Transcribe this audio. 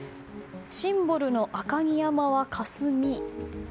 シンボルの赤城山はかすみ。